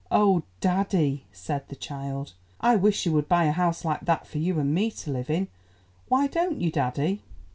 "Oh, daddy," said the child, "I wish you would buy a house like that for you and me to live in. Why don't you, daddy?"